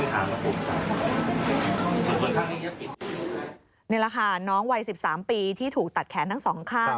นี่แหละค่ะน้องวัย๑๓ปีที่ถูกตัดแขนทั้งสองข้าง